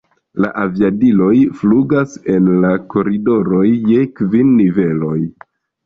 La aviadiloj flugis en la koridoroj je kvin niveloj.